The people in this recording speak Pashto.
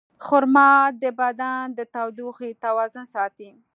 خرما د بدن د تودوخې توازن ساتي.